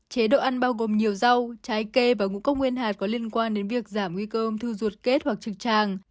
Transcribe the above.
chế độ ăn bao gồm nhiều rau trái cây và ngũ cốc nguyên hạt có liên quan đến việc giảm nguy cơ ung thư ruột kết hoặc trực tràng